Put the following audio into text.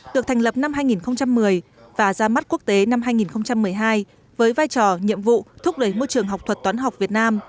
được thành lập năm hai nghìn một mươi và ra mắt quốc tế năm hai nghìn một mươi hai với vai trò nhiệm vụ thúc đẩy môi trường học thuật toán học việt nam